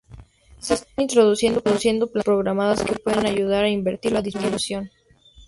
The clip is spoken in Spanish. Se están introduciendo plantaciones programadas que pueden ayudar a invertir la disminución.